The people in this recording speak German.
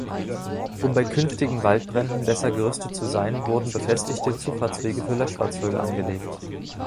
Um bei künftigen Waldbränden besser gerüstet zu sein, wurden befestigte Zufahrtswege für Löschfahrzeuge angelegt.